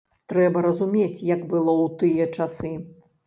Трэба разумець, як было ў тыя часы.